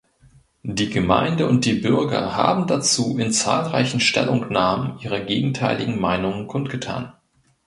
Die Gemeinde und die Bürger haben dazu in zahlreichen Stellungnahmen ihre gegenteiligen Meinungen kundgetan.